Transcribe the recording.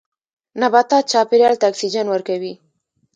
نباتات چاپیریال ته اکسیجن ورکوي